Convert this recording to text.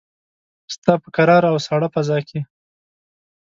ستا په کراره او ساړه فضاکې